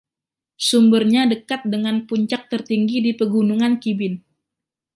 Sumbernya dekat dengan puncak tertinggi di Pegunungan Cibin.